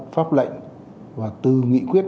pháp lệnh và từ nghị quyết